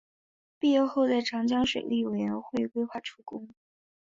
毕业后在长江水利委员会规划处工。